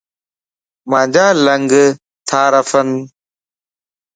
مانجا لنڳ تارڦن